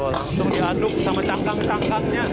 langsung diaduk sama cangkang cangkangnya